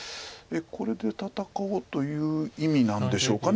これで戦おうという意味なんでしょうか。